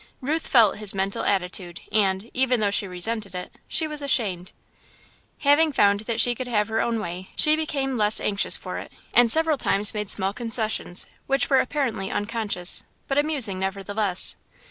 Ruth felt his mental attitude and, even though she resented it, she was ashamed. Having found that she could have her own way, she became less anxious for it, and several times made small concessions, which were apparently unconscious, but amusing, nevertheless.